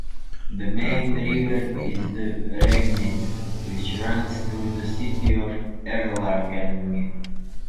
The main river is the Regnitz, which runs through the city of Erlangen.